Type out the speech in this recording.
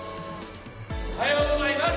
おはようございます。